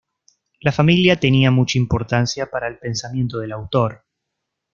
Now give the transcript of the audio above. La familia tenía mucha importancia para el pensamiento del autor.